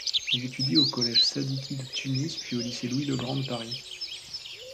Il étudie au Collège Sadiki de Tunis puis au Lycée Louis-le-Grand de Paris.